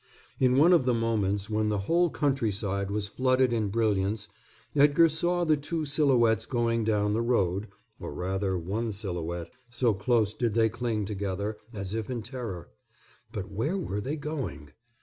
In one of the moments when the whole countryside was flooded in brilliance Edgar saw the two silhouettes going down the road, or rather one silhouette, so close did they cling together, as if in terror. But where were they going?